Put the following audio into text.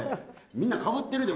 みんなかぶってるで。